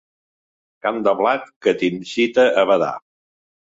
Camp de blat que t'incita a badar.